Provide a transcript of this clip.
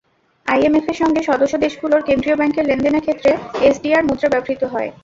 আইএমএফের সঙ্গে সদস্য দেশগুলোর কেন্দ্রীয় ব্যাংকের লেনদেনের ক্ষেত্রে এসডিআর মুদ্রা ব্যবহৃত হয়।